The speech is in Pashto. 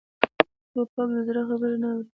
توپک د زړه خبرې نه اوري.